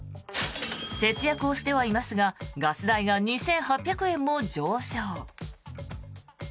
節約をしてはいますがガス代が２８００円も上昇。